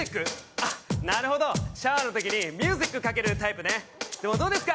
あっなるほどシャワーの時にミュージックかけるタイプねでもどうですか？